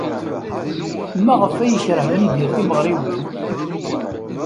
Maɣef ay yekṛeh Yidir timeɣriwin?